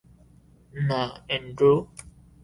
না, অ্যান্ড্রু।